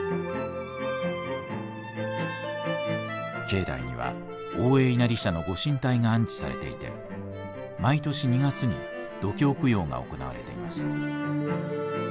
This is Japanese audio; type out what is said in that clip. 境内には大江稲荷社のご神体が安置されていて毎年２月に読経供養が行われています。